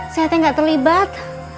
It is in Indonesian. saya tak terlibat